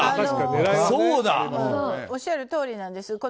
おっしゃるとおりなんです。